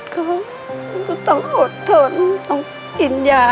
ก็ต้องอดเทินต้องกินยา